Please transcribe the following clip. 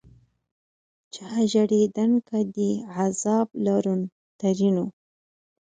چا ژړېدنک دي عذاب لورن؛ ترينو